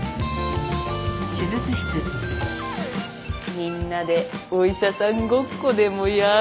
みんなでお医者さんごっこでもやる？